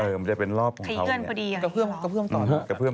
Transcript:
เออมันจะเป็นรอบของเขาอย่างนี้นะครับกระเพื่อมต่อนะครับกระเพื่อมต่อ